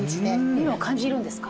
メロン感じるんですか？